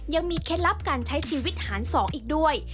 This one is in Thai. ยังมีเคล็ดลับการใช้ชีวิตหารสองอีกด้วย